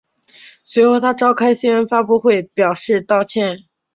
随后他召开新闻发布会表示道歉。